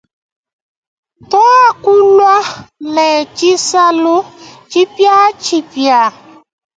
Tuakulwa ne tshisalu tshipiatshipia.